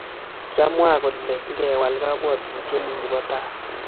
Kyamwa kole ngewal kabwatutyet nigibo tai